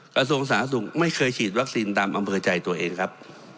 กสมศาสุขไม่เคยฉีดวัคซีนตามอำเภอใจตัวเองครับ